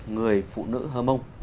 người phụ nữ hơ mông